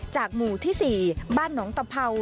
จากหมู่ที่๔บ้านหนองตำเผ่า